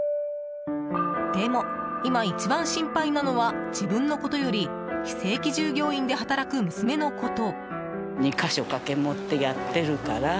でも、今一番心配なのは自分のことより非正規従業員で働く娘のこと。